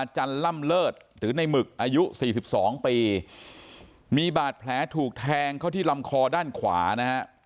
จันล่ำเลิศหรือในหมึกอายุ๔๒ปีมีบาดแผลถูกแทงเข้าที่ลำคอด้านขวานะฮะ